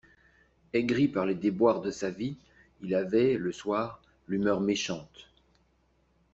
Aigri par les déboires de sa vie, il avait, le soir, l'humeur méchante.